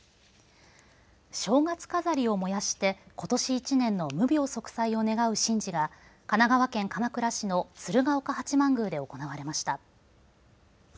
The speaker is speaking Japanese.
正月飾りを燃やして、ことし１年の無病息災を願う神事が神奈川県鎌倉市の鶴岡八幡宮で行われました。